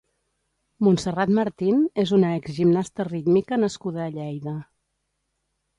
Montserrat Martín és una exgimnasta rítmica nascuda a Lleida.